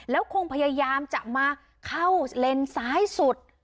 แล้วคงพยายามจะมาเข้าเลนซ้ายสุด